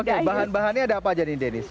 oke bahan bahannya ada apa aja nih deniz